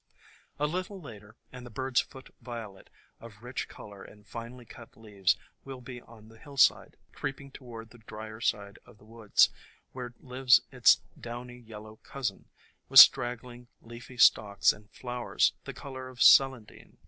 A little later and the Bird's Foot Violet, of rich color and finely cut leaves, will be on the hillside, creeping toward the drier side of the woods, where lives its downy yellow cousin, with straggling, leafy stalks and flowers the color of Celandine.